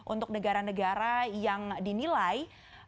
untuk negara negara yang dinilai